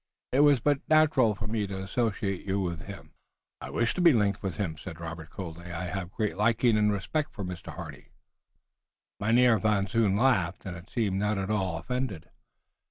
It was but natural for me to associate you with him." "I wish to be linked with him," said Robert, coldly. "I have a great liking and respect for Mr. Hardy." Mynheer Van Zoon laughed and seemed not at all offended.